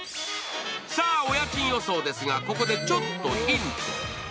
さあ、お家賃予想ですが、ここでちょっとヒント。